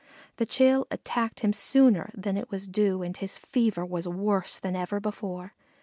The chill attacked him sooner than it was due and his fever was worse than ever before.